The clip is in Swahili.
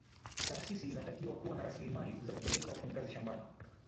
taasisi inatakiwa kuwa na rasilimali za kupeleka wafanyakazi shambani